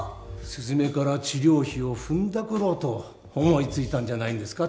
すずめから治療費をふんだくろうと思いついたんじゃないんですか？